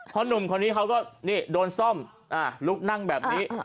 เพราะหนุ่มคนนี้เขาก็นี่โดนซ่อมลุกนั่งแบบนี้